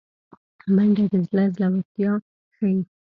منډه د زړه زړورتیا ښيي